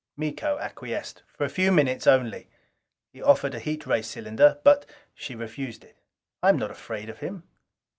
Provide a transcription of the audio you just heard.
Miko acquiesced. "For a few minutes only." He proffered a heat ray cylinder but she refused it. "I am not afraid of him."